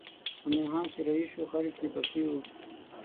مومن خان چې رهي شو خلک یې پسې وو.